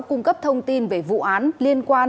cung cấp thông tin về vụ án liên quan